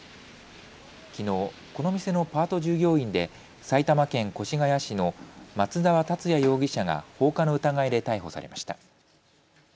きのう、この店のパート従業員で埼玉県越谷市の松澤達也容疑者が放火の疑いで逮捕されました。